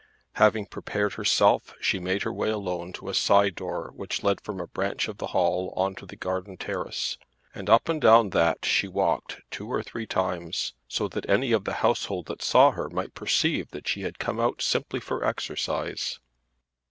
Having prepared herself she made her way alone to a side door which led from a branch of the hall on to the garden terrace, and up and down that she walked two or three times, so that any of the household that saw her might perceive that she had come out simply for exercise.